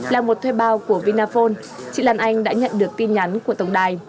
là một thuê bao của vinaphone chị lan anh đã nhận được tin nhắn của tổng đài